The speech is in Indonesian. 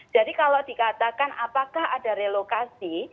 jadi kalau dikatakan apakah ada relokasi